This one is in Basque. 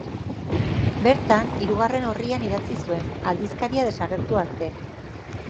Bertan, hirugarren orrian idatzi zuen, aldizkaria desagertu arte.